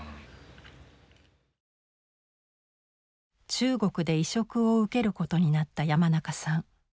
中国で移植を受けることになった山中さん。